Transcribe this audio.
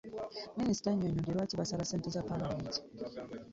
Minisita annyonyodde lwaki baasala ssente za Paalamenti.